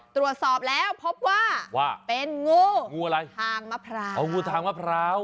ตรวจสอบแล้วพบว่าเป็นงูทางมะพร้าว